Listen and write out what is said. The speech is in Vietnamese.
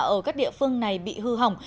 ở các địa phương này bị hư hỏng